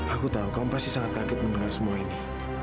aku tahu kamu pasti sangat teraget mendengar semua ini